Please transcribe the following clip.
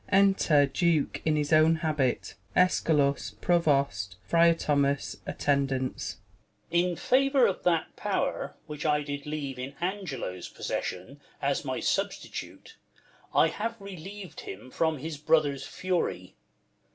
Enter Duke in his oivn habit, Eschalus, Provost, Frtar Thomas, Attendants. Duke. In favour of that pow'r, Avhich I did leave In Angelo's possession, as my substitute, I have reliev'd him from his brother's fury.